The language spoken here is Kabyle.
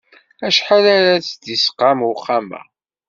Acḥal ara s-d-isqam uxxam-a?